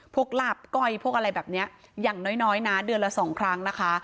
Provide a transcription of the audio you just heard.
หลาบก้อยพวกอะไรแบบนี้อย่างน้อยนะเดือนละสองครั้งนะคะ